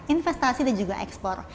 investasi dan juga ekspor